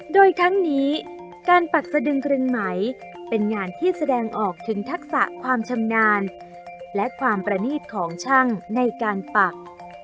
โดยทั้งนี้การปักสะดึงกรึงไหมเป็นงานที่แสดงออกถึงทักษะความชำนาญและความประนีตของช่างในการปัก